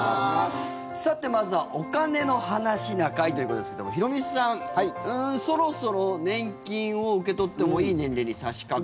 さて、まずは「お金の話な会」ということですけどもヒロミさん、そろそろ年金を受け取ってもいい年齢に差しかかる。